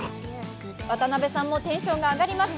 渡辺さんもテンションが上がります。